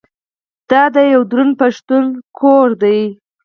دا د یوه دروند پښتون کور دی.